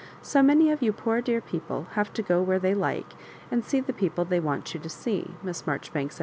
"So many of you poor dear people have to go where they like, and see the people they want you to see," Miss Maijoribanks